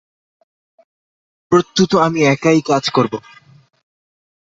প্রত্যুত আমি একাই কাজ করব।